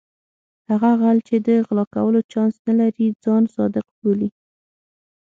هغه غل چې د غلا کولو چانس نه لري ځان صادق بولي.